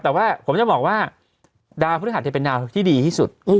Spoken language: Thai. แต่ว่าผมจะบอกว่าดาวพฤหัสจะเป็นดาวที่ดีที่สุด